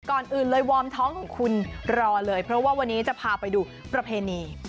ก่อนอื่นเลยวอร์มท้องของคุณรอเลยเพราะว่าวันนี้จะพาไปดูประเพณี